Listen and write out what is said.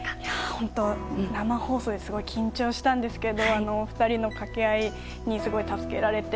本当、生放送ですごく緊張したんですけどお二人の掛け合いにすごい助けられて。